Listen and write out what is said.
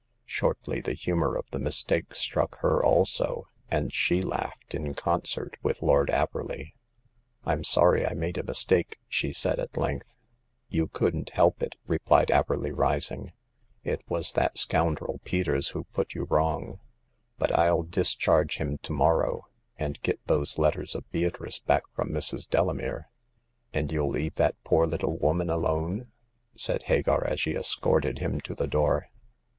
Shortly the humor of the mistake struck her also, and she laughed in con cert with Lord Averley. '* Fm sorry I made a mistake," she said, at length. " You couldn't help it," replied Averley rising. " It was that scoundrel Peters who put you wrong. But Til discharge him to morrow, and get those letters of Beatrice back from Mrs. Delamere." '*And youll leave that poor little woman alone," said Hagar, as she escorted him to the door.